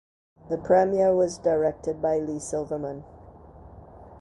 The premiere was directed by Leigh Silverman.